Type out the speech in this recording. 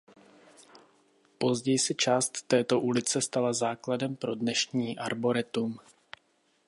Později se část této ulice stala základem pro dnešní arboretum.